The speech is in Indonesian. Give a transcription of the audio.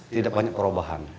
tidak banyak perubahan